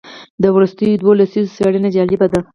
د وروستیو دوو لسیزو څېړنې جالبه دي.